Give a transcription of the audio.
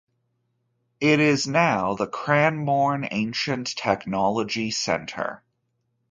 It is now the Cranborne Ancient Technology Centre.